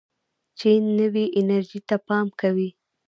چین نوې انرژۍ ته پام کوي.